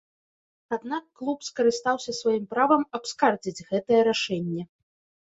Аднак клуб скарыстаўся сваім правам абскардзіць гэтае рашэнне.